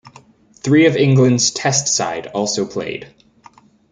Three of England's Test side also played.